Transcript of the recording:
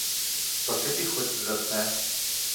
Спасибі хоч за це.